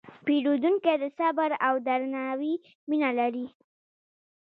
پیرودونکی د صبر او درناوي مینه لري.